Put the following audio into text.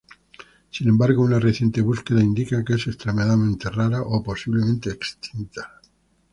Sin embargo, una reciente búsqueda indica que es extremadamente rara o posiblemente extinta.